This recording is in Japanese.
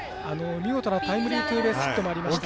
見事なタイムリーツーベースヒットもありました。